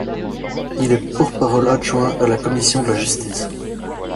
Il est porte-parole adjoint à la commission de la Justice.